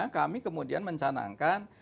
kami kemudian mencanangkan